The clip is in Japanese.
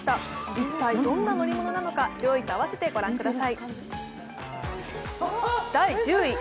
一体どんな乗り物なのか、上位と合わせて御覧ください。